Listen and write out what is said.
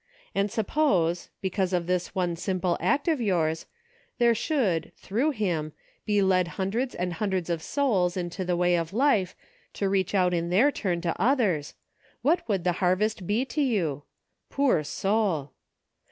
• And sup pose, because of this one simple act of yours, there should, through him, be led hundreds and hundreds of souls into the way of life, to reach out in their turn for others, what would the harvest be to you ? Poor soul